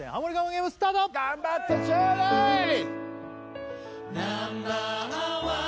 ゲームスタート頑張ってちょうだいイエーイ